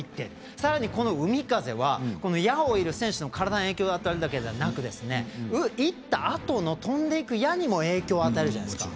さらに、この海風は矢を射る選手の体に影響を与えるだけではなく射ったあとの飛んだ矢にも影響を与えるじゃないですか。